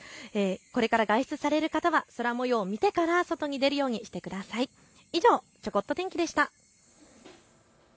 これから外出される方は空もようを見てから外に出るようにしてください。以上ちょこっと天気でした。